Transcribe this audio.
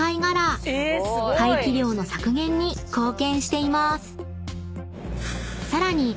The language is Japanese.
［廃棄量の削減に貢献していまーす］